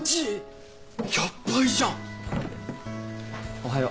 おはよう。